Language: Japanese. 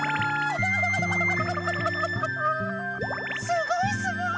すごいすごい！